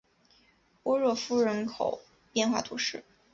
波热夫人口变化图示